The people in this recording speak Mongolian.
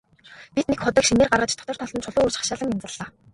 Бид нэг худаг шинээр гаргаж, дотор талд нь чулуу өрж хашаалан янзаллаа.